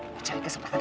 percaya ke sepuluhnya